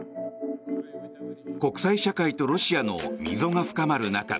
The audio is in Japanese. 国際社会とロシアの溝が深まる中